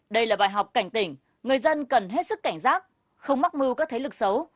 đây là bài học cảnh tỉnh người dân cần hết sức cảnh giác không mắc mưu các thế lực xấu